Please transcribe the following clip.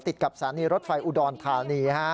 ติดกับสถานีรถไฟอุดรธานี